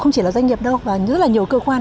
không chỉ là doanh nghiệp đâu mà rất là nhiều cơ quan